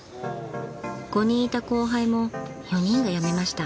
［５人いた後輩も４人が辞めました］